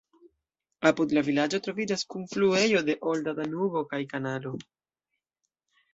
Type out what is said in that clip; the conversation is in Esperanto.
Apud la vilaĝo troviĝas kunfluejo de olda Danubo kaj kanalo.